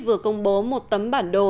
vừa công bố một tấm bản đồ